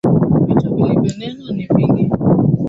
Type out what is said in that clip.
Vitu vilivyonenwa ni vingi